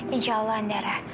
insya allah andara